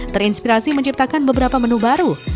terinspirasi menciptakan beberapa menu baru